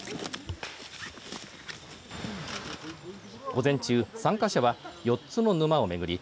午前中、参加者は４つの沼を巡り